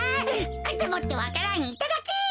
でもってわか蘭いただき！